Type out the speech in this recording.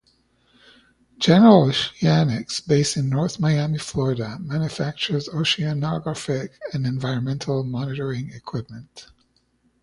General Oceanics, based in North Miami, Florida, manufactures oceanographic and environmental monitoring equipment.